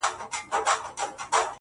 له مودو وروسته يې کرم او خرابات وکړ؛